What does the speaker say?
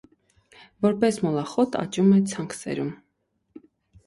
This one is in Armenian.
Որպես մոլախոտ աճում է ցանքսերում։